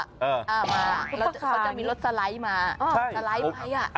เขาจะมีรถสไลด์มาสไลด์ไปอ่ะ